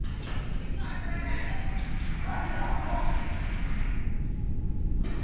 まずは、フォア。